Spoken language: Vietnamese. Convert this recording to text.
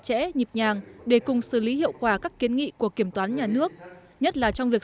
chẽ nhịp nhàng để cùng xử lý hiệu quả các kiến nghị của kiểm toán nhà nước nhất là trong việc